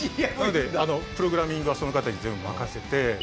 なのでプログラミングはその方に全部任せて。